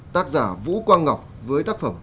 tác giả vũ quang ngọc với tác phẩm